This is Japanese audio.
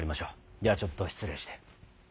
ではちょっと失礼して。